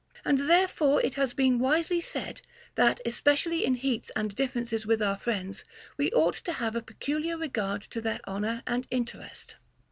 And therefore it has been wisely said, that especially in heats and differences with our friends we ought to have a pecu liar regard to their honor and interest.